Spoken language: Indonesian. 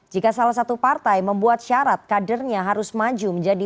jika salah satu partai membuat syarat kadernya harus maju menjadi